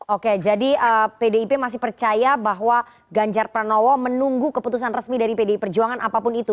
oke jadi pdip masih percaya bahwa ganjar pranowo menunggu keputusan resmi dari pdi perjuangan apapun itu